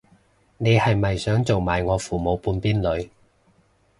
你係咪想做埋我父母半邊女